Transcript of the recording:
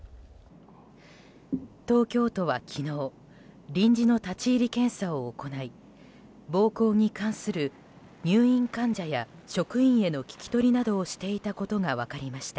東京都は昨日臨時の立ち入り検査を行い暴行に関する入院患者や職員への聞き取りなどをしていたことが分かりました。